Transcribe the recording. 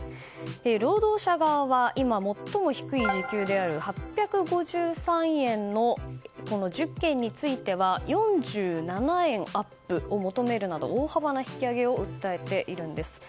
労働者側は今最も低い時給である８５３円の１０県については４７円アップを求めるなど大幅な引き上げを訴えているんです。